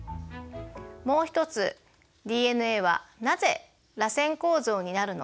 もう一つＤＮＡはなぜらせん構造になるのか。